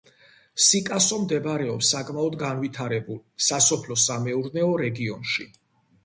სიკასო მდებარეობს საკმაოდ განვითარებულ სასოფლო-სამეურნეო რეგიონში.